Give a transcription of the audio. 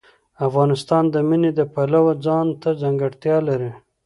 افغانستان د منی د پلوه ځانته ځانګړتیا لري.